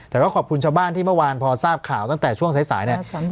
แต่ก็ขอบคุณชาวบ้านที่เมื่อวานพอทราบข่าวตั้งแต่ช่วงสายเนี่ย